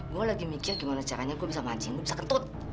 gua lagi mikir gimana caranya gua bisa mancing gua bisa kentut